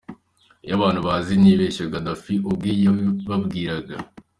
Ibyo abantu bazi ni ibibeshyo Gaddafi ubwe yababwiraga.